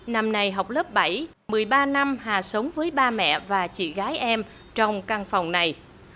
năm nay học lớp bảy một mươi ba năm hà sống với ba mẹ và chị gái em trong căn phòng này